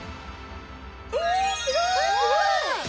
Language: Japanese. えすごい！